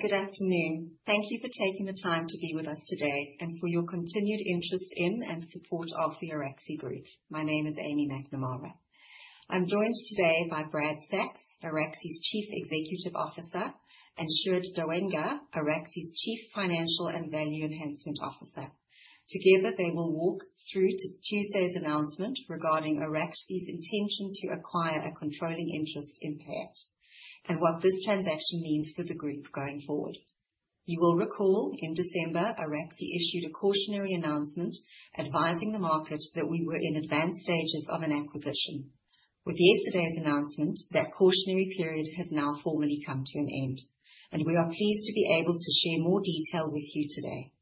Good afternoon. Thank you for taking the time to be with us today and for your continued interest in and support of the Araxi Group. My name is Aimee McNamara. I am joined today by Brad Sacks, Araxi's Chief Executive Officer, and Sjoerd Douwenga, Araxi's Chief Financial and Value Enhancement Officer. Together, they will walk through Tuesday's announcement regarding Araxi's intention to acquire a controlling interest in Pay@ and what this transaction means for the group going forward. You will recall, in December, Araxi issued a cautionary announcement advising the market that we were in advanced stages of an acquisition. With yesterday's announcement, that cautionary period has now formally come to an end. We are pleased to be able to share more detail with you today.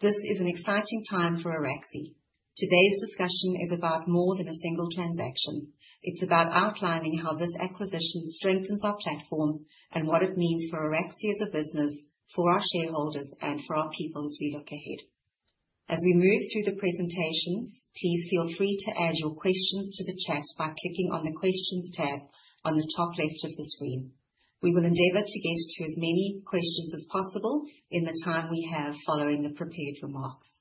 This is an exciting time for Araxi. Today's discussion is about more than a single transaction. It is about outlining how this acquisition strengthens our platform and what it means for Araxi as a business, for our shareholders, and for our people as we look ahead. As we move through the presentations, please feel free to add your questions to the chat by clicking on the questions tab on the top left of the screen. We will endeavor to get to as many questions as possible in the time we have following the prepared remarks.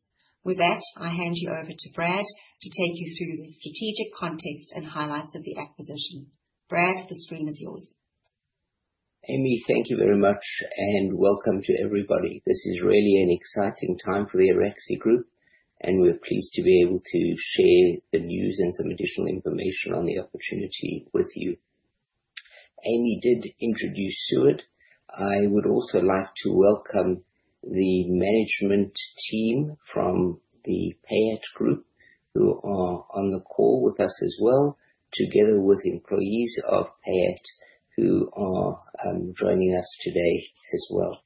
I hand you over to Brad to take you through the strategic context and highlights of the acquisition. Brad, the screen is yours. Aimee, thank you very much. Welcome to everybody. This is really an exciting time for the Araxi Group. We are pleased to be able to share the news and some additional information on the opportunity with you. Aimee did introduce Sjoerd. I would also like to welcome the management team from the Pay@ Group who are on the call with us as well, together with employees of Pay@ who are joining us today as well.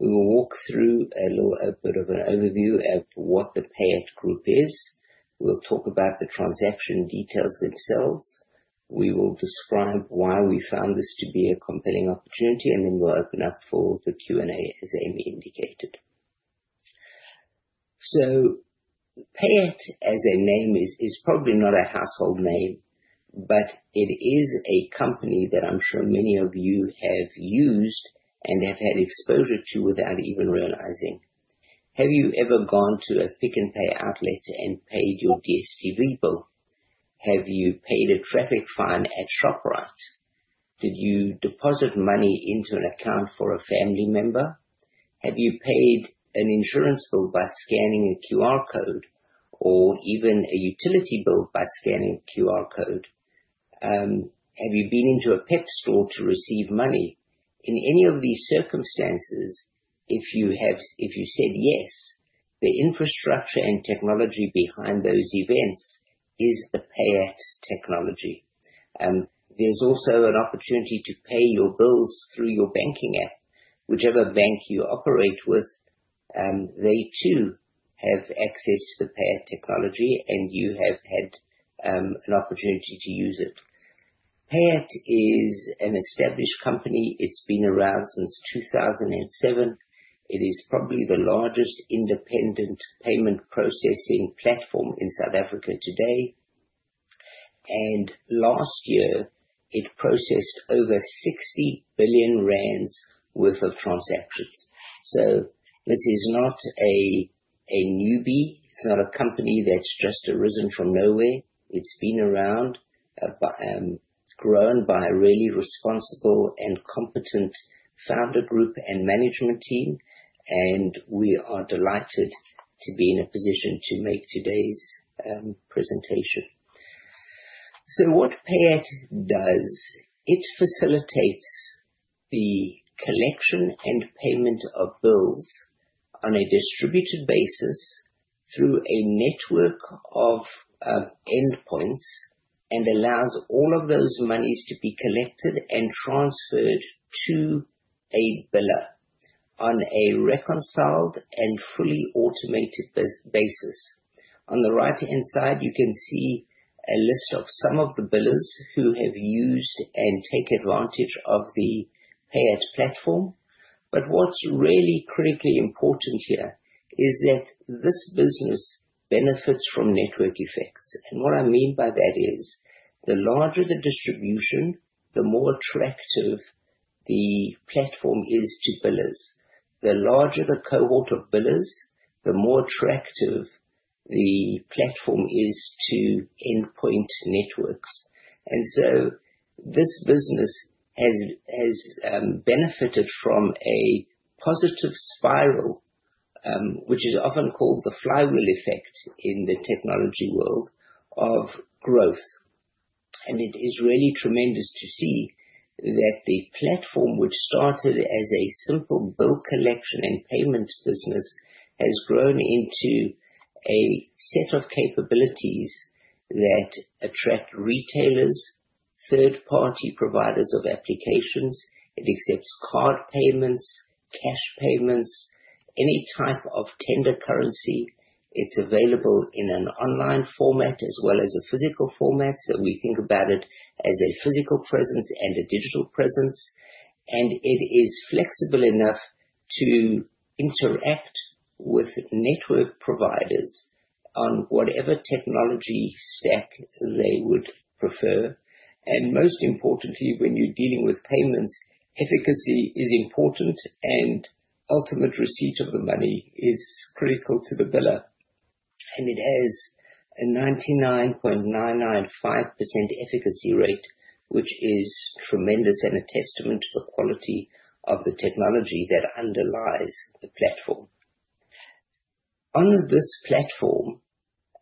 We will walk through a little bit of an overview of what the Pay@ Group is. We will talk about the transaction details themselves. We will describe why we found this to be a compelling opportunity. We will open up for the Q&A, as Aimee indicated. Pay@ as a name is probably not a household name, but it is a company that I am sure many of you have used and have had exposure to without even realizing. Have you ever gone to a Pick n Pay outlet and paid your DStv bill? Have you paid a traffic fine at Shoprite? Did you deposit money into an account for a family member? Have you paid an insurance bill by scanning a QR code or even a utility bill by scanning a QR code? Have you been into a Pep store to receive money? In any of these circumstances, if you said yes, the infrastructure and technology behind those events is the Pay@ technology. There is also an opportunity to pay your bills through your banking app. Whichever bank you operate with, they too have access to the Pay@ technology, and you have had an opportunity to use it. Pay@ is an established company. It's been around since 2007. It is probably the largest independent payment processing platform in South Africa today. Last year, it processed over 60 billion rand worth of transactions. This is not a newbie. It's not a company that's just arisen from nowhere. It's been around, grown by a really responsible and competent founder group and management team, and we are delighted to be in a position to make today's presentation. What Pay@ does, it facilitates the collection and payment of bills on a distributed basis through a network of endpoints and allows all of those monies to be collected and transferred to a biller on a reconciled and fully automated basis. On the right-hand side, you can see a list of some of the billers who have used and take advantage of the Pay@ platform. What's really critically important here is that this business benefits from network effects. What I mean by that is, the larger the distribution, the more attractive the platform is to billers. The larger the cohort of billers, the more attractive the platform is to endpoint networks. This business has benefited from a positive spiral, which is often called the flywheel effect in the technology world of growth. It is really tremendous to see that the platform, which started as a simple bill collection and payment business, has grown into a set of capabilities that attract retailers, third-party providers of applications. It accepts card payments, cash payments, any type of tender currency. It's available in an online format as well as a physical format, so we think about it as a physical presence and a digital presence. It is flexible enough to interact with network providers on whatever technology stack they would prefer. Most importantly, when you're dealing with payments, efficacy is important and ultimate receipt of the money is critical to the biller. It has a 99.995% efficacy rate, which is tremendous and a testament to the quality of the technology that underlies the platform. On this platform,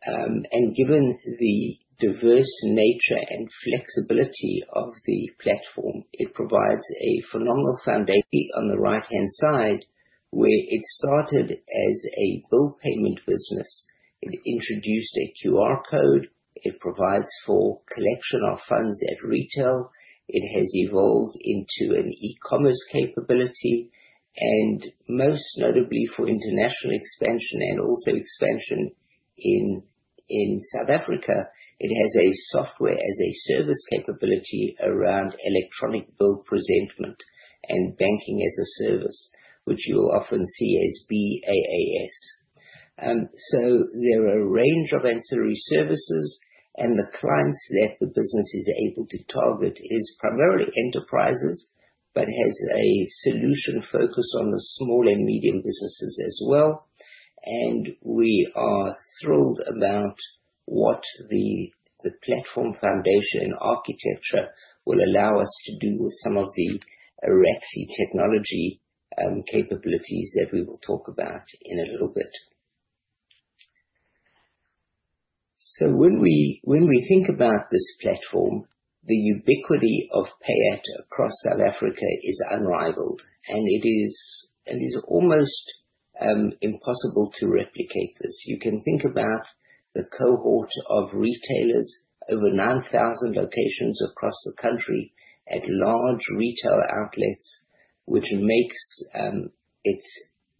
given the diverse nature and flexibility of the platform, it provides a phenomenal foundation. On the right-hand side, where it started as a bill payment business, it introduced a QR code. It provides for collection of funds at retail. It has evolved into an e-commerce capability, and most notably for international expansion and also expansion in South Africa. It has a Software as a Service capability around electronic bill presentment and Banking as a Service, which you will often see as BaaS. There are a range of ancillary services and the clients that the business is able to target is primarily enterprises, but has a solution focus on the small and medium businesses as well. We are thrilled about what the platform foundation and architecture will allow us to do with some of the Araxi technology capabilities that we will talk about in a little bit. When we think about this platform, the ubiquity of Pay@ across South Africa is unrivaled, and it is almost impossible to replicate this. You can think about the cohort of retailers, over 9,000 locations across the country at large retail outlets, which makes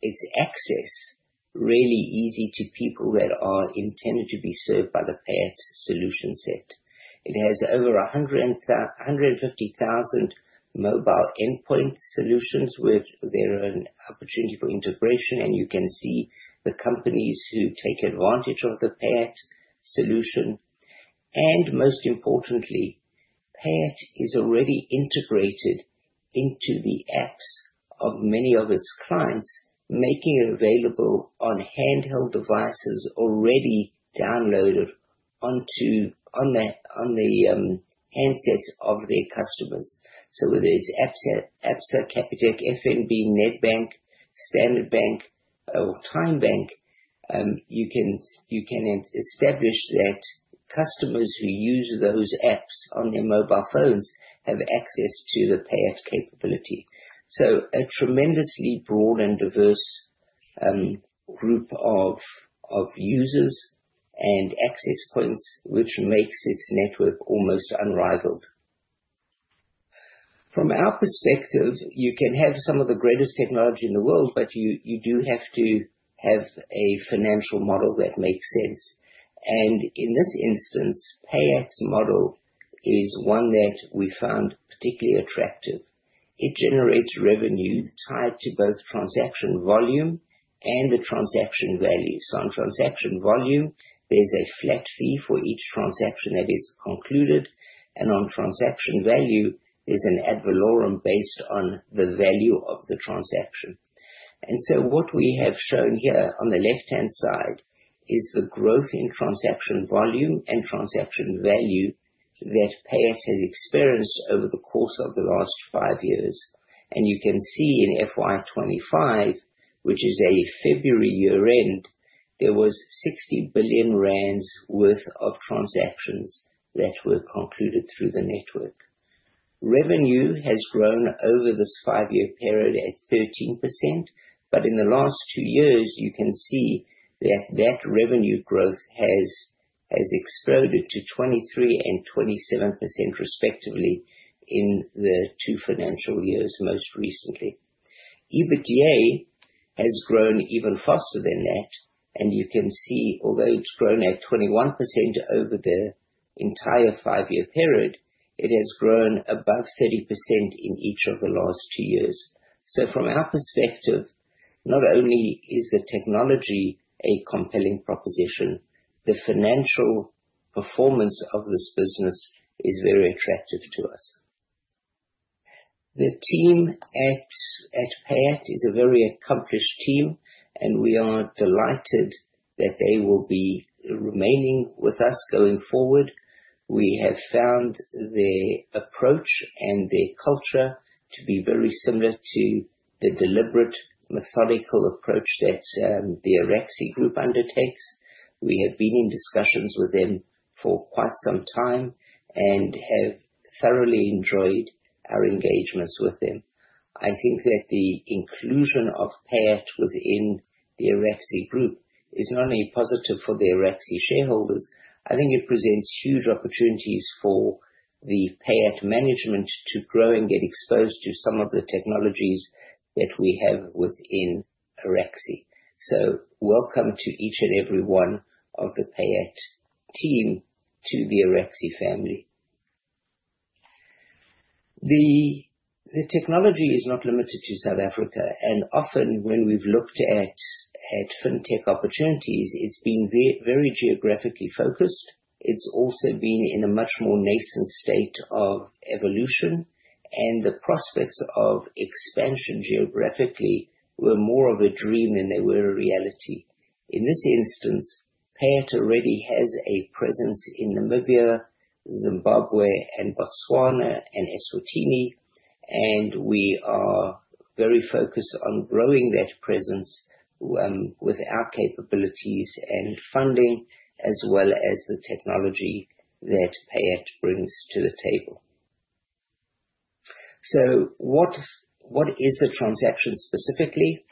its access really easy to people that are intended to be served by the Pay@ solution set. It has over 150,000 mobile endpoint solutions with their own opportunity for integration, and you can see the companies who take advantage of the Pay@ solution. Most importantly, Pay@ is already integrated into the apps of many of its clients, making it available on handheld devices already downloaded on the handsets of their customers. Whether it's Absa, Capitec, FNB, Nedbank, Standard Bank or TymeBank, you can establish that customers who use those apps on their mobile phones have access to the Pay@ capability. A tremendously broad and diverse group of users and access points, which makes its network almost unrivaled. From our perspective, you can have some of the greatest technology in the world, but you do have to have a financial model that makes sense. In this instance, Pay@'s model is one that we found particularly attractive. It generates revenue tied to both transaction volume and the transaction value. On transaction volume, there's a flat fee for each transaction that is concluded, and on transaction value, there's an ad valorem based on the value of the transaction. What we have shown here on the left-hand side is the growth in transaction volume and transaction value that Pay@ has experienced over the course of the last five years. You can see in FY 2025, which is a February year-end, there was 60 billion rand worth of transactions that were concluded through the network. Revenue has grown over this five-year period at 13%, but in the last two years, you can see that that revenue growth has exploded to 23% and 27%, respectively, in the two financial years most recently. EBITDA has grown even faster than that, and you can see, although it's grown at 21% over the entire five-year period, it has grown above 30% in each of the last two years. From our perspective, not only is the technology a compelling proposition, the financial performance of this business is very attractive to us. The team at Pay@ is a very accomplished team, and we are delighted that they will be remaining with us going forward. We have found their approach and their culture to be very similar to the deliberate, methodical approach that the Araxi Group undertakes. We have been in discussions with them for quite some time and have thoroughly enjoyed our engagements with them. I think that the inclusion of Pay@ within the Araxi Group is not only positive for the Araxi shareholders, I think it presents huge opportunities for the Pay@ management to grow and get exposed to some of the technologies that we have within Araxi. Welcome to each and every one of the Pay@ team to the Araxi family. The technology is not limited to South Africa, and often when we've looked at fintech opportunities, it's been very geographically focused. It's also been in a much more nascent state of evolution, and the prospects of expansion geographically were more of a dream than they were a reality. In this instance, Pay@ already has a presence in Namibia, Zimbabwe, Botswana, and Eswatini, and we are very focused on growing that presence with our capabilities and funding as well as the technology that Pay@ brings to the table. What is the transaction specifically?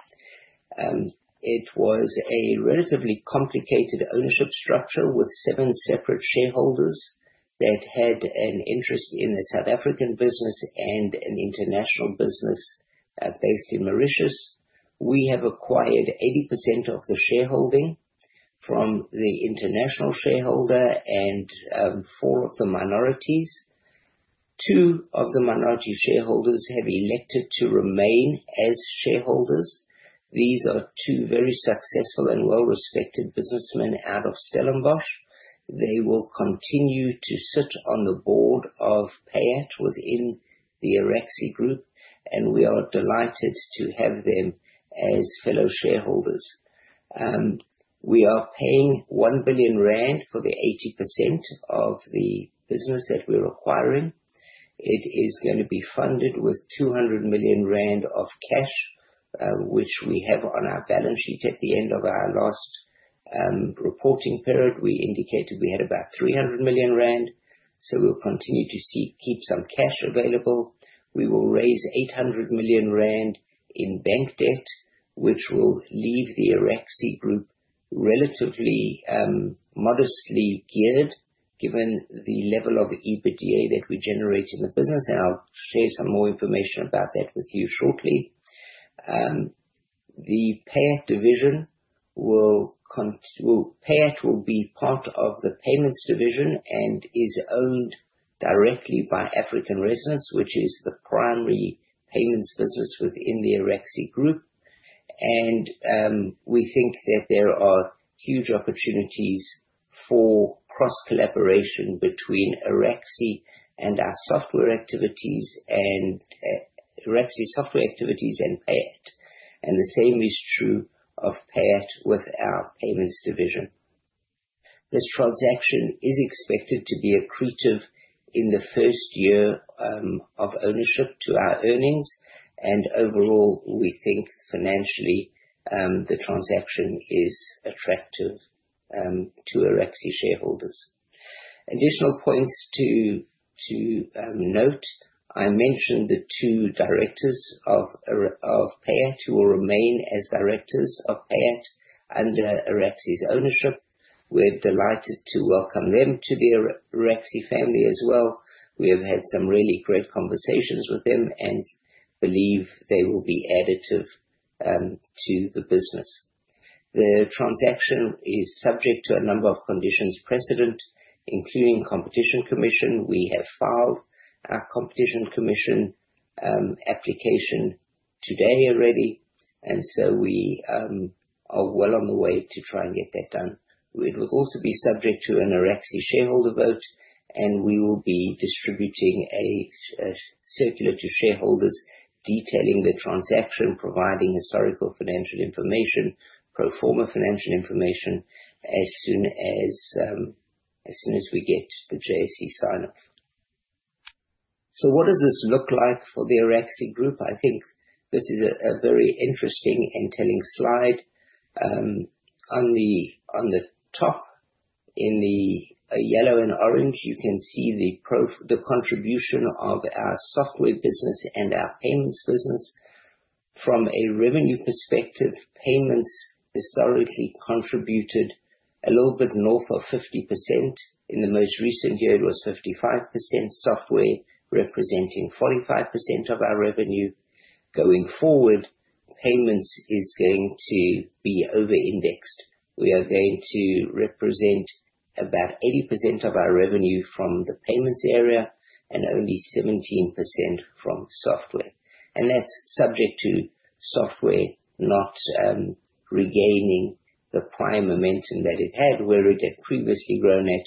It was a relatively complicated ownership structure with seven separate shareholders that had an interest in the South African business and an international business based in Mauritius. We have acquired 80% of the shareholding from the international shareholder and four of the minorities. Two of the minority shareholders have elected to remain as shareholders. These are two very successful and well-respected businessmen out of Stellenbosch. They will continue to sit on the board of Pay@ within the Araxi Group, and we are delighted to have them as fellow shareholders. We are paying 1 billion rand for the 80% of the business that we're acquiring. It is going to be funded with 200 million rand of cash, which we have on our balance sheet. At the end of our last reporting period, we indicated we had about 300 million rand. We'll continue to keep some cash available. We will raise 800 million rand in bank debt, which will leave the Araxi Group relatively modestly geared given the level of EBITDA that we generate in the business, and I'll share some more information about that with you shortly. Pay@ will be part of the payments division and is owned directly by African Resonance, which is the primary payments business within the Araxi Group. We think that there are huge opportunities for cross-collaboration between Araxi software activities and Pay@. The same is true of Pay@ with our payments division. This transaction is expected to be accretive in the first year of ownership to our earnings. Overall, we think financially, the transaction is attractive to Araxi shareholders. Additional points to note. I mentioned the two directors of Pay@ who will remain as directors of Pay@ under Araxi's ownership. We're delighted to welcome them to the Araxi family as well. We have had some really great conversations with them and believe they will be additive to the business. The transaction is subject to a number of conditions precedent, including Competition Commission. We have filed our Competition Commission application today already, we are well on the way to try and get that done. It will also be subject to an Araxi shareholder vote, we will be distributing a circular to shareholders detailing the transaction, providing historical financial information, pro forma financial information as soon as we get the JSE sign-off. What does this look like for the Araxi Group? I think this is a very interesting and telling slide. On the top in the yellow and orange, you can see the contribution of our software business and our payments business. From a revenue perspective, payments historically contributed a little bit north of 50%. In the most recent year, it was 55%. Software representing 45% of our revenue. Going forward, payments is going to be over-indexed. We are going to represent about 80% of our revenue from the payments area and only 17% from software. That's subject to software not regaining the prior momentum that it had, where it had previously grown at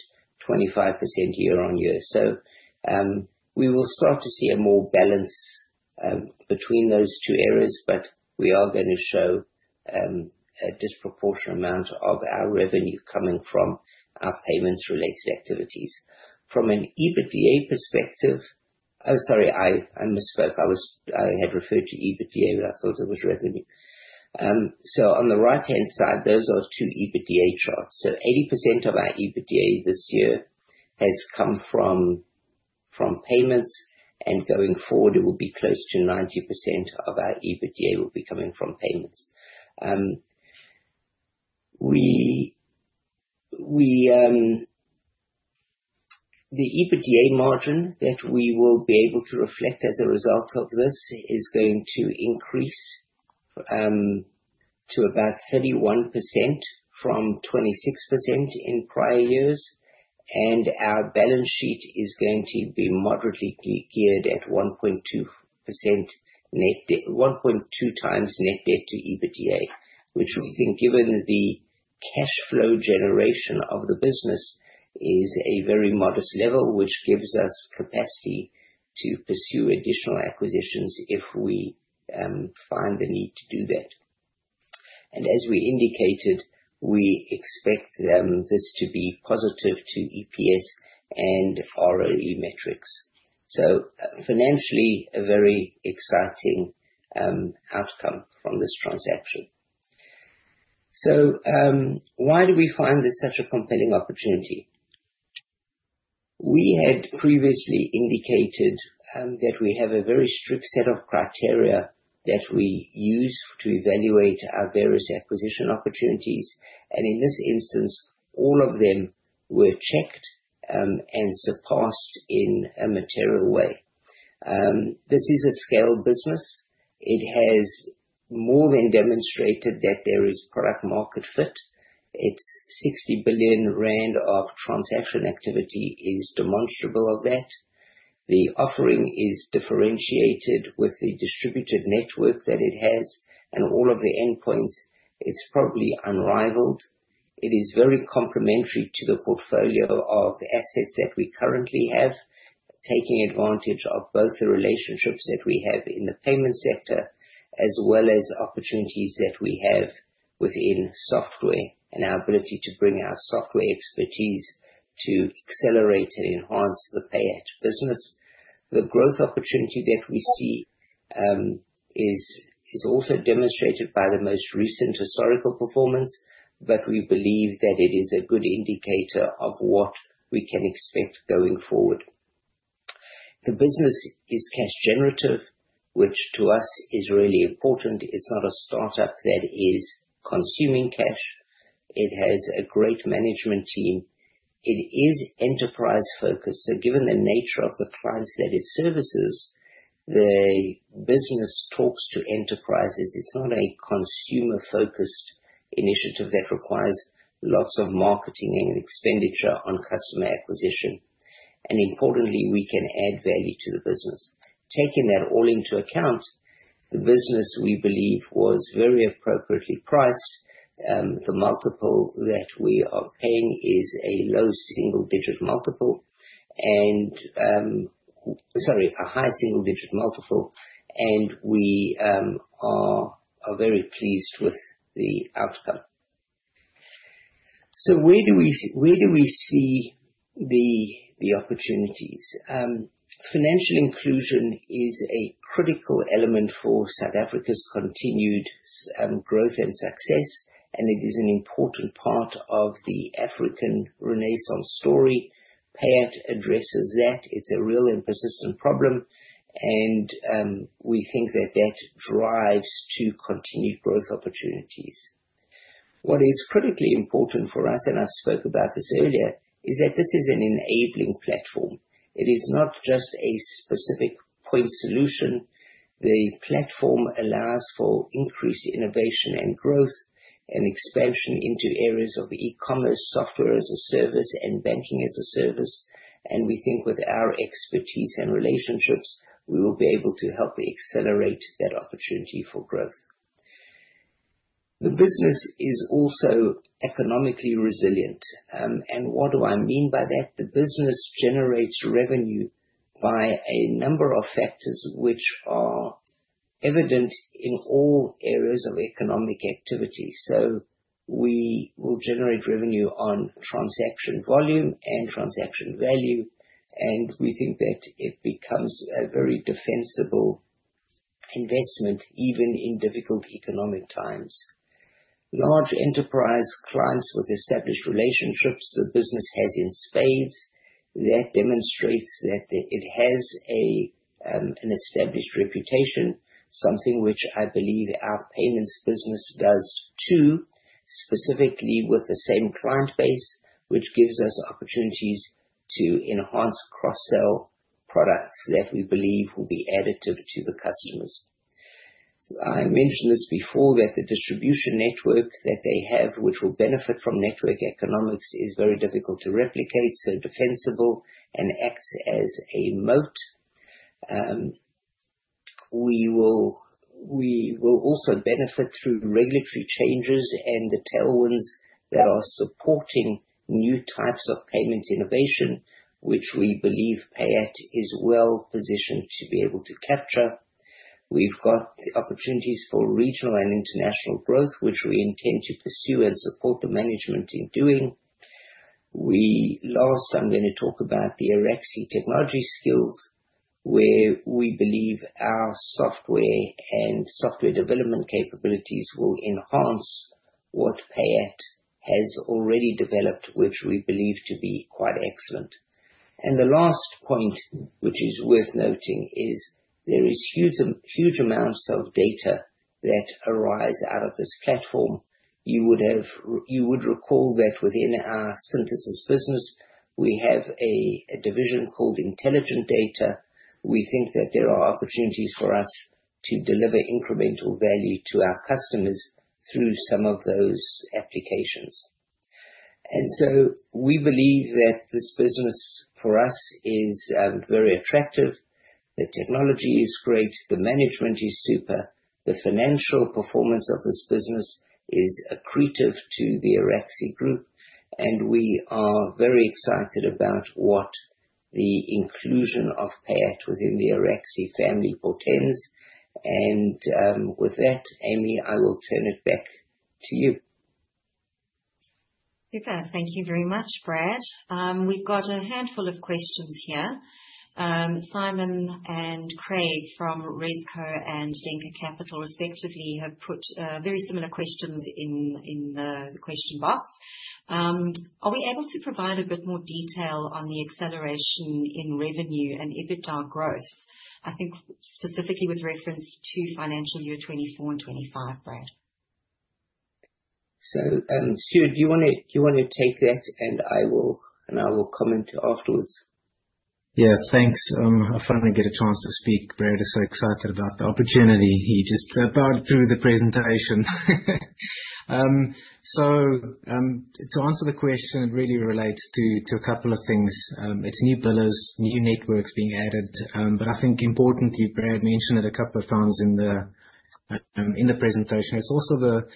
25% year-on-year. We will start to see a more balance between those two areas, we are going to show a disproportionate amount of our revenue coming from our payments-related activities. From an EBITDA perspective, Oh, sorry. I misspoke. I had referred to EBITDA, but I thought it was revenue. On the right-hand side, those are two EBITDA charts. 80% of our EBITDA this year has come from payments, and going forward, it will be close to 90% of our EBITDA will be coming from payments. The EBITDA margin that we will be able to reflect as a result of this is going to increase to about 31% from 26% in prior years. Our balance sheet is going to be moderately geared at 1.2 times net debt to EBITDA. Which we think, given the cash flow generation of the business, is a very modest level, which gives us capacity to pursue additional acquisitions if we find the need to do that. As we indicated, we expect this to be positive to EPS and ROE metrics. Financially, a very exciting outcome from this transaction. Why do we find this such a compelling opportunity? We had previously indicated that we have a very strict set of criteria that we use to evaluate our various acquisition opportunities. In this instance, all of them were checked and surpassed in a material way. This is a scaled business. It has more than demonstrated that there is product-market fit. Its 60 billion rand of transaction activity is demonstrable of that. The offering is differentiated with the distributed network that it has and all of the endpoints. It's probably unrivaled. It is very complementary to the portfolio of assets that we currently have. Taking advantage of both the relationships that we have in the payment sector, as well as opportunities that we have within software and our ability to bring our software expertise to accelerate and enhance the Pay@ business. The growth opportunity that we see is also demonstrated by the most recent historical performance, we believe that it is a good indicator of what we can expect going forward. The business is cash generative, which to us is really important. It's not a startup that is consuming cash. It has a great management team. It is enterprise-focused. Given the nature of the clients that it services, the business talks to enterprises. It's not a consumer-focused initiative that requires lots of marketing and expenditure on customer acquisition. Importantly, we can add value to the business. Taking that all into account, the business, we believe, was very appropriately priced. The multiple that we are paying is a high single-digit multiple, and we are very pleased with the outcome. Where do we see the opportunities? Financial inclusion is a critical element for South Africa's continued growth and success, it is an important part of the African Renaissance story. Pay@ addresses that. It's a real and persistent problem, we think that that drives to continued growth opportunities. What is critically important for us, and I spoke about this earlier, is that this is an enabling platform. It is not just a specific point solution. The platform allows for increased innovation and growth and expansion into areas of e-commerce, Software as a Service, and Banking as a Service. We think with our expertise and relationships, we will be able to help accelerate that opportunity for growth. The business is also economically resilient. What do I mean by that? The business generates revenue by a number of factors which are evident in all areas of economic activity. We will generate revenue on transaction volume and transaction value. We think that it becomes a very defensible investment, even in difficult economic times. Large enterprise clients with established relationships the business has in spades. That demonstrates that it has an established reputation, something which I believe our payments business does too. Specifically with the same client base, which gives us opportunities to enhance cross-sell products that we believe will be additive to the customers. I mentioned this before, that the distribution network that they have, which will benefit from network economics, is very difficult to replicate, so defensible and acts as a moat. We will also benefit through regulatory changes and the tailwinds that are supporting new types of payment innovation, which we believe Pay@ is well-positioned to be able to capture. We've got the opportunities for regional and international growth, which we intend to pursue and support the management in doing. Last, I'm going to talk about the Araxi technology skills, where we believe our software and software development capabilities will enhance what Pay@ has already developed, which we believe to be quite excellent. The last point which is worth noting is there is huge amounts of data that arise out of this platform. You would recall that within our Synthesis business, we have a division called Intelligent Data. We think that there are opportunities for us to deliver incremental value to our customers through some of those applications. We believe that this business for us is very attractive. The technology is great, the management is super, the financial performance of this business is accretive to the Araxi Group, and we are very excited about what the inclusion of Pay@ within the Araxi family portends. With that, Aimee, I will turn it back to you. Okay. Thank you very much, Brad. We've got a handful of questions here. Simon and Craig from Rise Co and Denker Capital respectively have put very similar questions in the question box. Are we able to provide a bit more detail on the acceleration in revenue and EBITDA growth? I think specifically with reference to financial year 2024 and 2025, Brad. Sjoerd, do you want to take that and I will comment afterwards? Thanks. I finally get a chance to speak. Brad is so excited about the opportunity. He just powered through the presentation. To answer the question, it really relates to a couple of things. It's new billers, new networks being added. I think importantly, Brad mentioned it a couple of times in the presentation. It's also the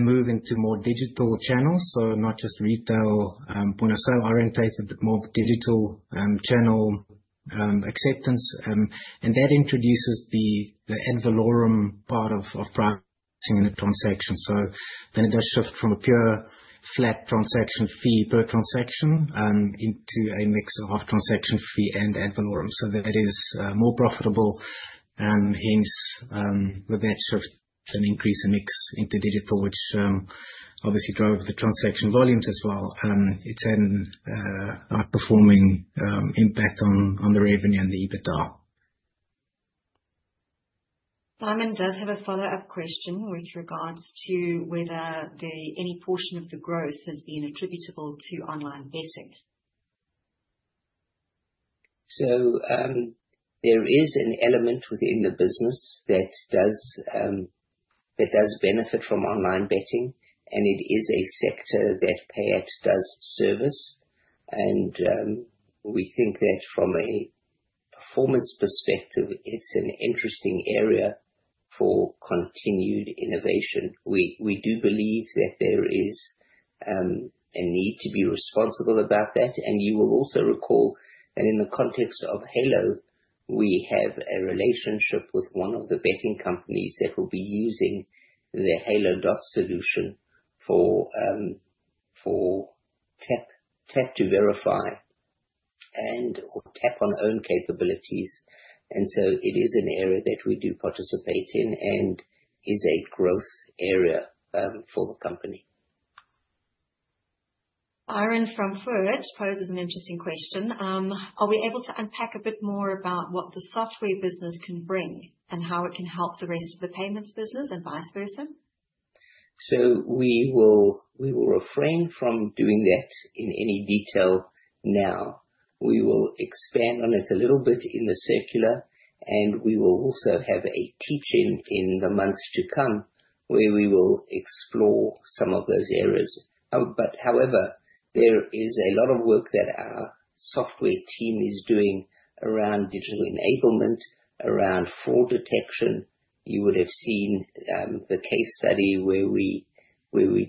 move into more digital channels. Not just retail point-of-sale orientated, but more digital channel acceptance. That introduces the ad valorem part of pricing the transaction. It does shift from a pure flat transaction fee per transaction, into a mix of transaction fee and ad valorem. That is more profitable, hence, with that shift an increase in mix into digital, which obviously drove the transaction volumes as well. It's had an outperforming impact on the revenue and the EBITDA. Simon does have a follow-up question with regards to whether any portion of the growth has been attributable to online betting. There is an element within the business that does benefit from online betting, and it is a sector that Pay@ does service. We think that from a performance perspective, it's an interesting area for continued innovation. We do believe that there is a need to be responsible about that. You will also recall that in the context of Halo, we have a relationship with one of the betting companies that will be using the Halo solution for Tap to Verify and/or Tap on Phone capabilities. It is an area that we do participate in and is a growth area for the company. Aaron from Forge poses an interesting question. Are we able to unpack a bit more about what the software business can bring and how it can help the rest of the payments business and vice versa? We will refrain from doing that in any detail now. We will expand on it a little bit in the circular, and we will also have a teaching in the months to come, where we will explore some of those areas. However, there is a lot of work that our software team is doing around digital enablement, around fraud detection. You would have seen the case study where we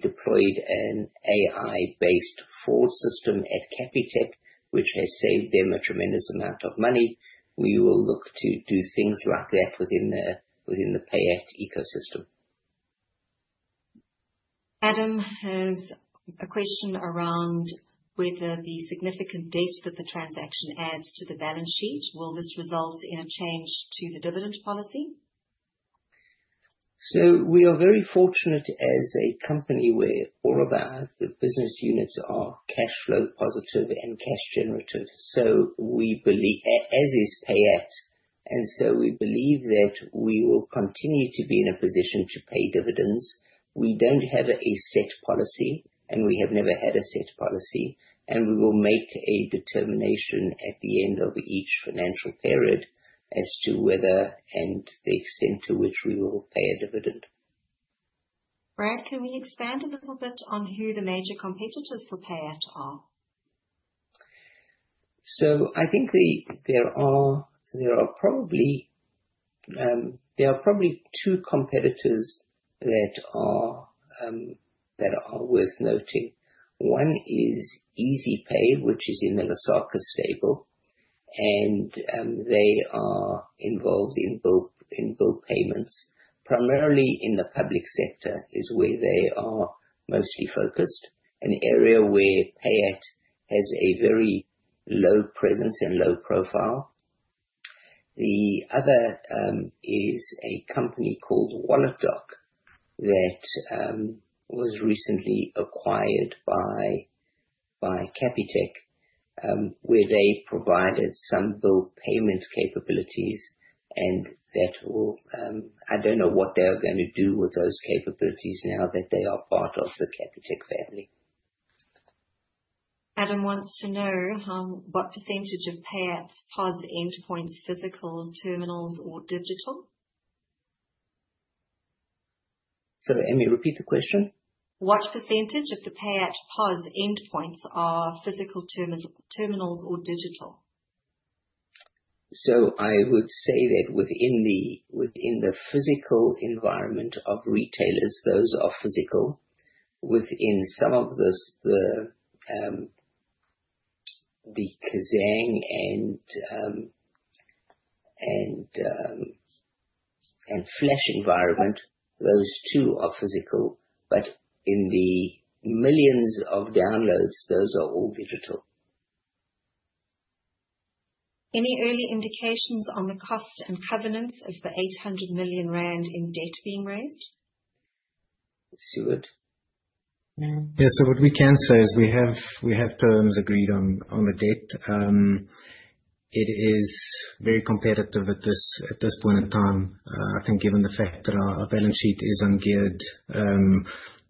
deployed an AI-based fraud system at Capitec, which has saved them a tremendous amount of money. We will look to do things like that within the Pay@ ecosystem. Adam has a question around whether the significant debt that the transaction adds to the balance sheet, will this result in a change to the dividend policy? We are very fortunate as a company where all of our business units are cash flow positive and cash generative, as is Pay@. We believe that we will continue to be in a position to pay dividends. We don't have a set policy, and we have never had a set policy, and we will make a determination at the end of each financial period as to whether and the extent to which we will pay a dividend. Brad, can we expand a little bit on who the major competitors for Pay@ are? I think there are probably two competitors that are worth noting. One is EasyPay, which is in the Lesaka stable, and they are involved in bill payments. Primarily in the public sector is where they are mostly focused, an area where Pay@ has a very low presence and low profile. The other is a company called Walletdoc that was recently acquired by Capitec, where they provided some bill payment capabilities and I don't know what they are going to do with those capabilities now that they are part of the Capitec family. Adam wants to know what % of Pay@ POS endpoints are physical terminals or digital. Sorry, Aimee, repeat the question. What percentage of the Pay@ POS endpoints are physical terminals or digital? I would say that within the physical environment of retailers, those are physical. Within some of the Kazang and Flash environment, those too are physical. In the millions of downloads, those are all digital. Any early indications on the cost and covenants of the 800 million rand in debt being raised? Sjoerd? Yes. What we can say is we have terms agreed on the debt. It is very competitive at this point in time. I think given the fact that our balance sheet is ungeared,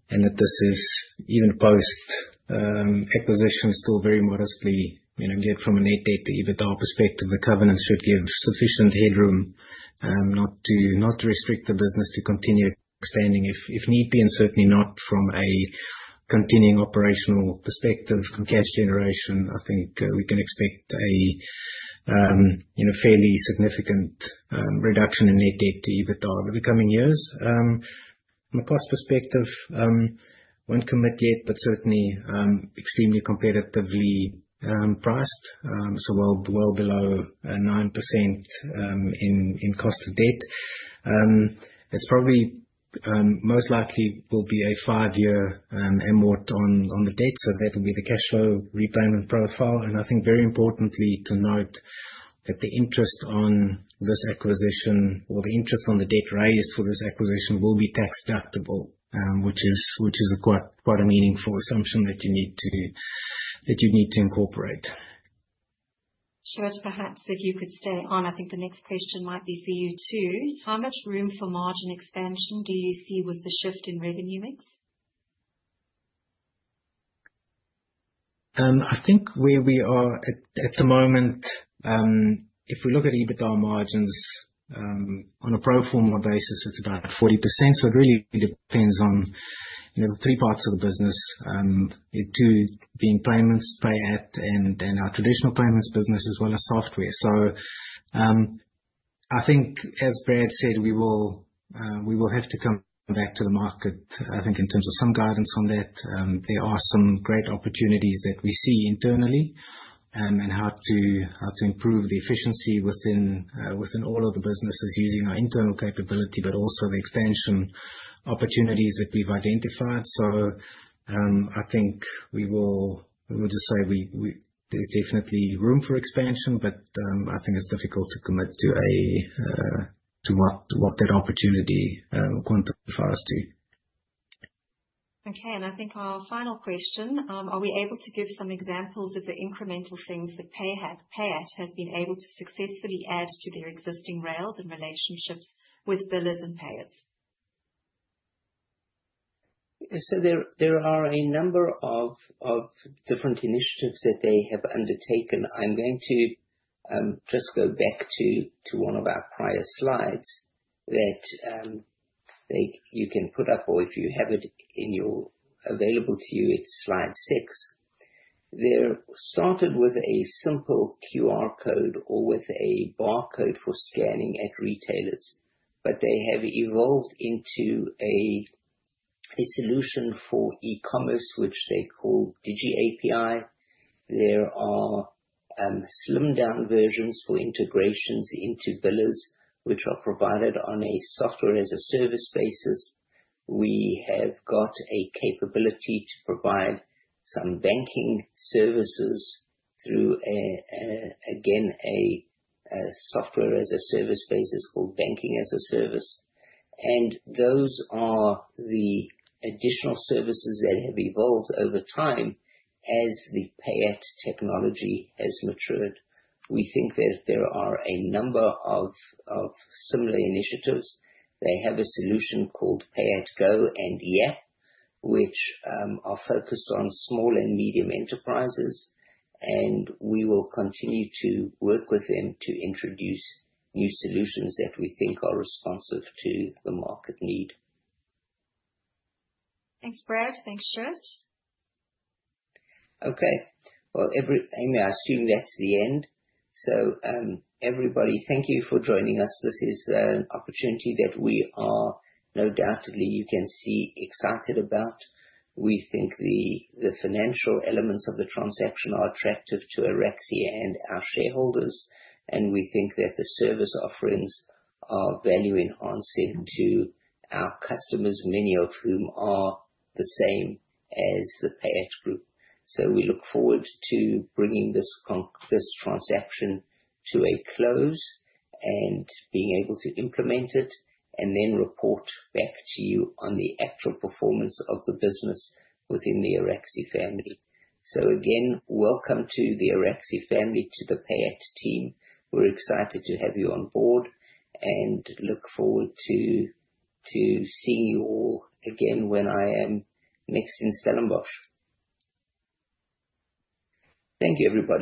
and that this is even post-acquisition, still very modestly geared from a net debt to EBITDA perspective. The covenants should give sufficient headroom not to restrict the business to continue expanding if need be, and certainly not from a continuing operational perspective from cash generation. I think we can expect a fairly significant reduction in net debt to EBITDA over the coming years. From a cost perspective, won't commit yet, but certainly extremely competitively priced. Well below 9% in cost of debt. It's probably most likely will be a 5-year amort on the debt. That will be the cash flow repayment profile. I think very importantly to note that the interest on this acquisition or the interest on the debt raised for this acquisition will be tax-deductible, which is quite a meaningful assumption that you need to incorporate. Stewart, perhaps if you could stay on, I think the next question might be for you, too. How much room for margin expansion do you see with the shift in revenue mix? I think where we are at the moment, if we look at EBITDA margins on a pro forma basis, it's about 40%. It really depends on the three parts of the business. It do being payments, Pay@, and our traditional payments business as well as software. I think as Brad said, we will have to come back to the market, I think in terms of some guidance on that. There are some great opportunities that we see internally, and how to improve the efficiency within all of the businesses using our internal capability but also the expansion opportunities that we've identified. I think we will just say there's definitely room for expansion, but I think it's difficult to commit to what that opportunity quantifies to. Okay. I think our final question. Are we able to give some examples of the incremental things that Pay@ has been able to successfully add to their existing rails and relationships with billers and payers? There are a number of different initiatives that they have undertaken. I'm going to just go back to one of our prior slides that you can put up or if you have it available to you, it's slide six. They started with a simple QR code or with a barcode for scanning at retailers. They have evolved into a solution for e-commerce, which they call DigiAPI. There are slimmed-down versions for integrations into billers, which are provided on a software as a service basis. We have got a capability to provide some banking services through, again, a software as a service basis called Banking as a Service. Those are the additional services that have evolved over time as the Pay@ technology has matured. We think that there are a number of similar initiatives. They have a solution called Pay@Go and Yaag, which are focused on small and medium enterprises, we will continue to work with them to introduce new solutions that we think are responsive to the market need. Thanks, Brad. Thanks, Stewart. Amy, I assume that's the end. Everybody, thank you for joining us. This is an opportunity that we are no doubtedly you can see excited about. We think the financial elements of the transaction are attractive to Araxi and our shareholders, we think that the service offerings are value in onset to our customers, many of whom are the same as the Pay@ Group. We look forward to bringing this transaction to a close and being able to implement it, report back to you on the actual performance of the business within the Araxi family. Again, welcome to the Araxi family, to the Pay@ team. We're excited to have you on board and look forward to seeing you all again when I am next in Stellenbosch. Thank you, everybody.